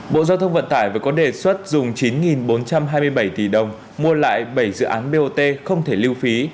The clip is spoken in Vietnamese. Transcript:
bộ giao thông vận tải vừa có đề xuất dùng chín bốn trăm hai mươi bảy tỷ đồng mua lại bảy dự án bot không thể lưu phí